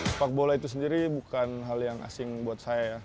sepak bola itu sendiri bukan hal yang asing buat saya ya